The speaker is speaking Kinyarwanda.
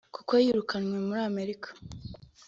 kuko yirukanwe muri Amerika